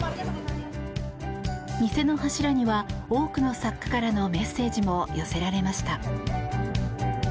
店の柱には多くの作家からのメッセージも寄せられました。